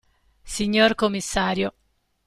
Signor commissario.